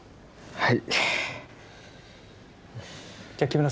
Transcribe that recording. はい。